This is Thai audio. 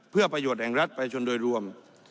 เพื่อประโยชน์แห่งรัฐประชนโดยรวม